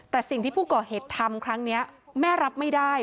แต่สิ่งที่ผู้ก่อเหตุทำครั้งนี้แม่รับไม่ได้